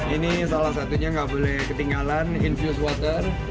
ini salah satunya nggak boleh ketinggalan infuse water